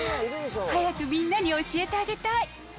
早くみんなに教えてあげたい。